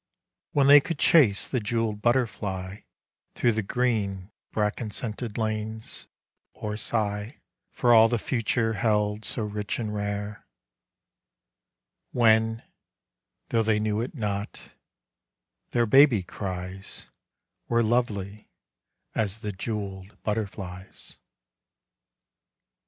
When they could chase the jewelled butterfly Through the green bracken scented lanes, or sigh For all the future held so rich and rare ;— When, though they knew it not, their baby cries Were lovely as the jewelled butterflies.